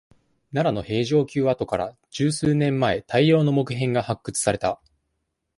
奈良の平城宮跡から、十数年前、大量の木片が、発掘された。